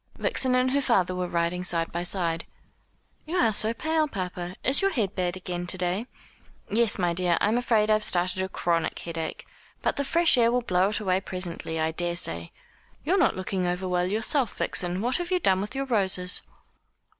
Vixen and her father were riding side by side. "You are so pale, papa. Is your head bad again to day?" "Yes, my dear. I'm afraid I've started a chronic headache. But the fresh air will blow it away presently, I daresay. You're not looking over well yourself, Vixen. What have you done with your roses?"